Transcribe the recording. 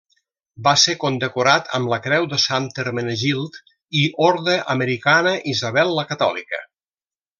Va ser condecorat amb la Creu de Sant Hermenegild i Orde Americana Isabel La Catòlica.